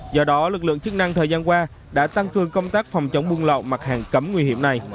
do đó lực lượng chức năng thời gian qua đã tăng cường công tác phòng chống buôn lậu mặt hàng cấm nguy hiểm này